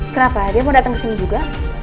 kenapa dia mau dateng kesini juga